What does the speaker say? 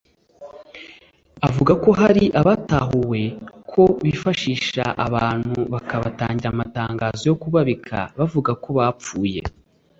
avuga ko hari abatahuwe ko bifashishije abantu bakabatangira amatangazo yo kubabika bavuga ko bapfuye